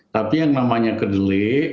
tapi yang namanya kedelai